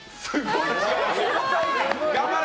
頑張れ！